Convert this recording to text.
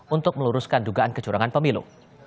untuk meluruskan dugaan kecurangan pemilu